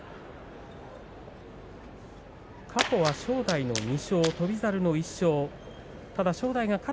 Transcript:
過去は正代の２勝、翔猿の１勝。